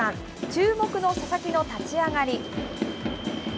注目の佐々木の立ち上がり。